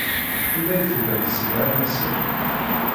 Anda ay tellam tesseḍharem-asen?